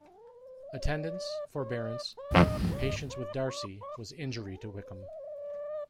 Attendance, forbearance, patience with Darcy, was injury to Wickham.